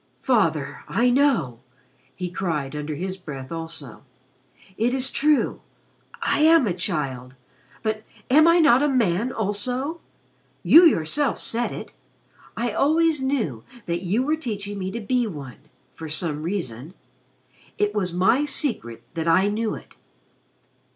"Father, I know!" he cried under his breath also. "It is true. I am a child but am I not a man also? You yourself said it. I always knew that you were teaching me to be one for some reason. It was my secret that I knew it.